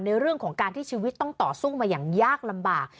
ในเรื่องของการที่ชีวิตต้องต่อสู้มาอย่างยากลำบาก